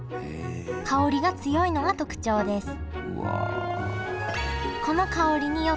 香りが強いのが特徴ですうわ！